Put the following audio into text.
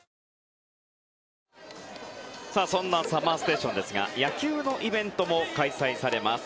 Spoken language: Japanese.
そんな「ＳＵＭＭＥＲＳＴＡＴＩＯＮ」ですが野球のイベントも開催されます。